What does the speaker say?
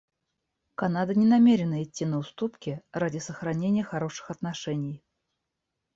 Канада не намерена идти на уступки ради сохранения хороших отношений.